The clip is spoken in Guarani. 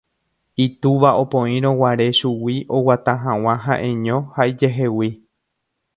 itúva opoírõguare chugui oguata hag̃ua ha'eño ha ijehegui